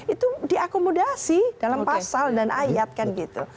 itu diakomodasi dalam pasal dan ayat kan gitu